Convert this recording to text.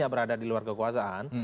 berada di luar kekuasaan